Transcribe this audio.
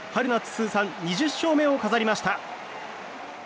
通算２０勝目を飾りました。